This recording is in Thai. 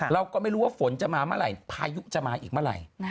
เราก็ไม่รู้ว่าฝนจะมาเมื่อไหร่พายุจะมาอีกเมื่อไหร่